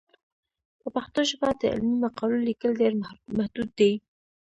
په پښتو ژبه د علمي مقالو لیکل ډېر محدود دي.